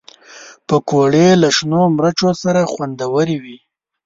پکورې له شنو مرچو سره خوندورې وي